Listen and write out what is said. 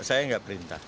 saya enggak perintah